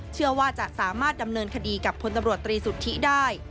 เชื่อว่าจะสามารถดำเนินคดีกับพลตำรวจตรีสุทธิได้